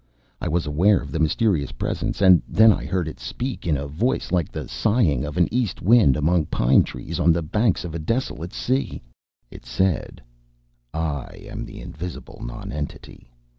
I was aware of the mysterious presence, and then I heard it speak in a voice like the sighing of an east wind among pine trees on the banks of a desolate sea. It said: "I am the invisible nonentity.